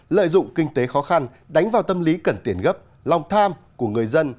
lợi dụng kinh tế khó khăn đánh vào tâm lý cần tiền gấp lòng tham của người dân